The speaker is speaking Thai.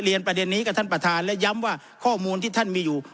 ประเด็นนี้กับท่านประธานและย้ำว่าข้อมูลที่ท่านมีอยู่